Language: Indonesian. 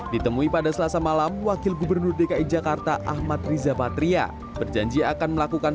ditemui pada selasa malam wakil gubernur dki jakarta ahmad riza patria berjanji akan melakukan